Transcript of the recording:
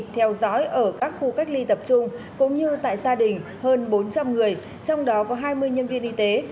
theo dõi ở các khu cách ly tập trung cũng như tại gia đình hơn bốn trăm linh người trong đó có hai mươi nhân viên y tế